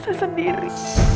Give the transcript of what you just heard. saya merasa sendiri